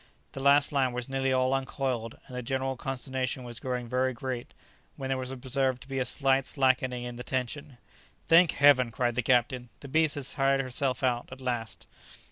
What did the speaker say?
The last line was nearly all uncoiled, and the general consternation was growing very great, when there was observed to be a slight slackening in the tension. "Thank Heaven!" cried the captain; "the beast has tired herself out at last."